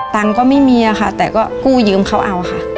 ตังค์ก็ไม่มีค่ะแต่ก็กู้ยืมเขาเอาค่ะ